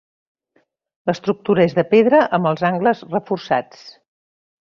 L'estructura és de pedra amb els angles reforçats.